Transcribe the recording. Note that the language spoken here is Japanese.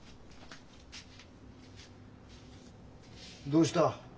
どうした？